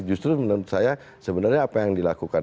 justru menurut saya sebenarnya apa yang dilakukan